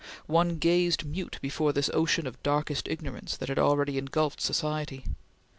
One gazed mute before this ocean of darkest ignorance that had already engulfed society.